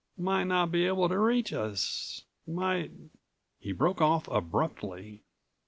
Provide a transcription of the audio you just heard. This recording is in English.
Might not be able to reach us. Might—" He broke off abruptly.